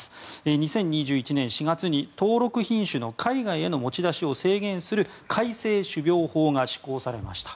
２０２１年４月に登録品種の海外への持ち出しを制限する改正種苗法が施行されました。